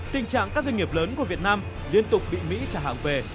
tình trạng các doanh nghiệp lớn của việt nam liên tục bị mỹ trả hàng về